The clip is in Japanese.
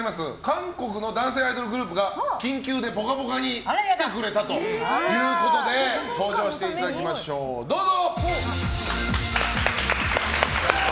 韓国の男性アイドルグループが緊急で「ぽかぽか」に来てくれたということで登場していただきましょうどうぞ！